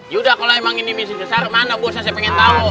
yaudah kalo emang ini misi besar mana bosnya saya pengen tau